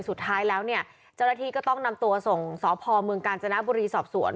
สุดท้ายแล้วเนี่ยเจ้าหน้าที่ก็ต้องนำตัวส่งสพเมืองกาญจนบุรีสอบสวน